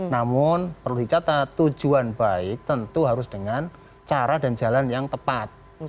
namun perlu dicatat tujuan baik tentu harus dengan cara dan jalan yang tepat